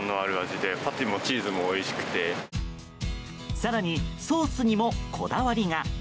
更にソースにもこだわりが。